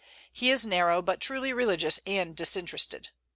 He is narrow, but truly religious and disinterested.